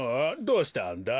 どうしたんだ？